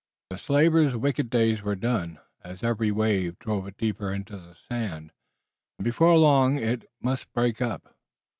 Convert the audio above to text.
The slaver's wicked days were done, as every wave drove it deeper into the sand, and before long it must break up.